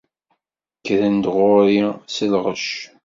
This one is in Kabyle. Kkren-d ɣur-i s lɣecc.